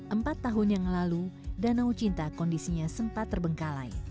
empat tahun yang lalu danau cinta kondisinya sempat terbengkalai